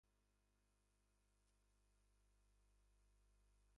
Brady Fellow at the American Enterprise Institute, and author.